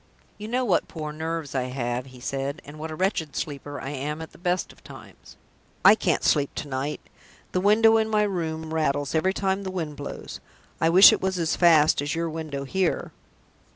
"You know what poor nerves I have," he said, "and what a wretched sleeper I am at the best of times. I can't sleep to night. The window in my room rattles every time the wind blows. I wish it was as fast as your window here."